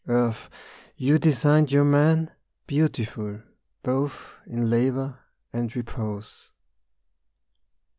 .. Earth, you designed your man Beautiful both in labour, and repose.